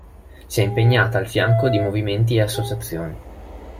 Si è impegnata al fianco di movimenti e associazioni.